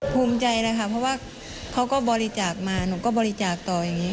ภูมิใจนะคะเพราะว่าเขาก็บริจาคมาหนูก็บริจาคต่ออย่างนี้